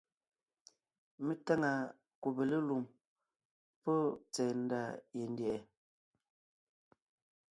Mé táŋa kùbe lélùm pɔ́ tsɛ̀ɛ ndá yendyɛ̀ʼɛ.